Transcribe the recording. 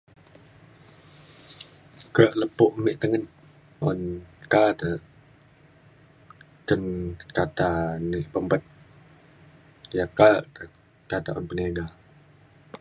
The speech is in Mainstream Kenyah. ka lepo me tengen un ka te cen kata ni pempet ya kata ta un peniga